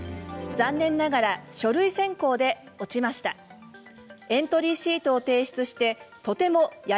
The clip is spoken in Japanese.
残念ながら書類選考で落ちました。